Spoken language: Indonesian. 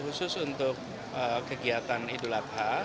khusus untuk kegiatan idola